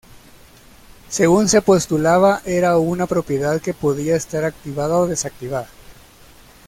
Según se postulaba, era una propiedad que podía estar activada o desactivada.